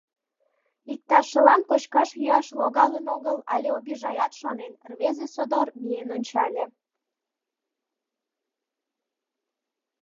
Иктажшылан кочкаш-йӱаш логалын огыл але обижаят шонен, рвезе содор миен ончале.